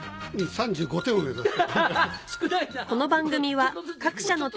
３５点を目指して。